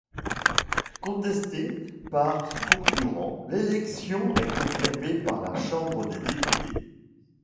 Contestée par son concurrent, l’élection est confirmée par la Chambre des députés.